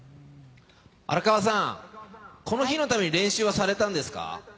荒川さん、この日のために練習されたんですか？